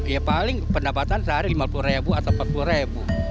ya paling pendapatan sehari lima puluh ribu atau empat puluh ribu